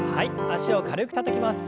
脚を軽くたたきます。